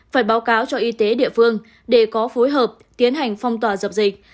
phải báo cáo cho y tế địa phương để có phối hợp tiến hành phong tỏa dập dịch